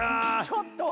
ちょっと。